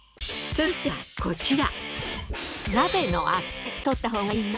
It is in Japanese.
続いてはこちら。